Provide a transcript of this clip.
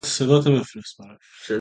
وجین کردن علفهای هرزه، کار سختی است.